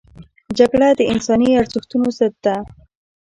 جګړه د انساني ارزښتونو ضد ده